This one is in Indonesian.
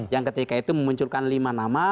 yang ketika itu memunculkan lima nama